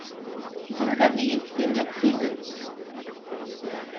Bɣiɣ ad iyi-d-tiniḍ tidet.